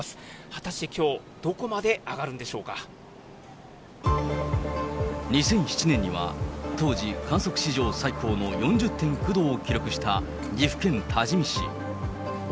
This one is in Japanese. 果たしてきょう、２００７年には、当時、観測史上最高の４０．９度を記録した岐阜県多治見市。